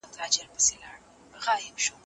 امنیت د اقتصادي فعالیتونو دوام یقیني کوي.